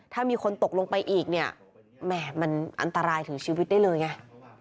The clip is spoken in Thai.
ถ้ามีคนตกลงไปอีกเนี่ยแหม่มันอันตรายถึงชีวิตได้เลยไง